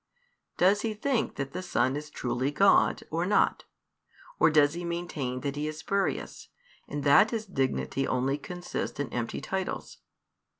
"Does he think that the Son is truly God, or not; or does he maintain that He is spurious, or that His dignity only consists in empty titles?"